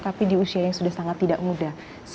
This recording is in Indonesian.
tapi di usia yang sudah sangat tidak muda